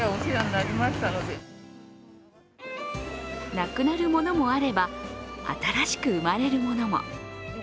なくなるものもあれば、新しく生まれるものも。